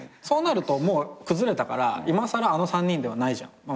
そうなるともう崩れたからいまさらあの３人ではないじゃん。